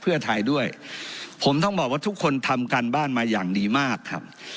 เพื่อไทยด้วยผมต้องบอกว่าทุกคนทำการบ้านมาอย่างดีมากครับ